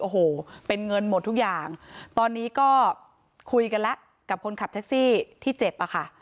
โอ้โหเป็นเงินหมดทุกอย่างตอนนี้ก็คุยกันแล้วกับคนขับแท็กซี่ที่เจ็บอะค่ะ